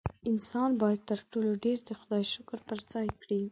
انسان باید تر ټولو ډېر د خدای شکر په ځای کړي.